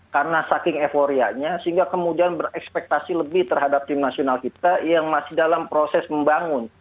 karena saking euforianya sehingga kemudian berekspektasi lebih terhadap tim nasional kita yang masih dalam proses membangun